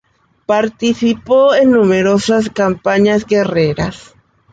Participó en numerosas campañas guerreras.